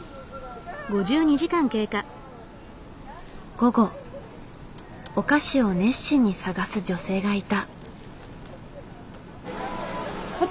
午後お菓子を熱心に探す女性がいた。